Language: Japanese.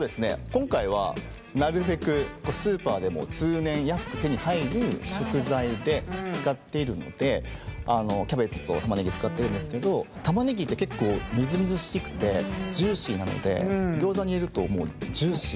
今回はなるべくスーパーでも通年安く手に入る食材で使っているのでキャベツと玉ねぎ使ってるんですけど玉ねぎって結構みずみずしくてジューシーなのでギョーザに入れるともうジューシーな。